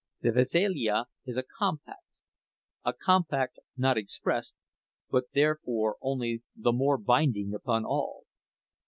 The veselija is a compact, a compact not expressed, but therefore only the more binding upon all.